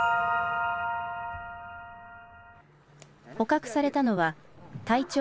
捕獲されたのは体長